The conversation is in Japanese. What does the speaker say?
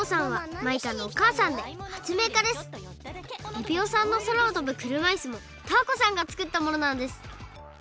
エビオさんのそらをとぶくるまいすもタアコさんがつくったものなんです。